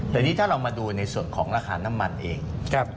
แต่นี่ถ้าเรามาดูในส่วนของราคาน้ำมันเอง